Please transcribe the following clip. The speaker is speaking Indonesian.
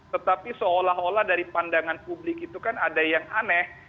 tetapi seolah olah dari pandangan publik itu kan ada yang aneh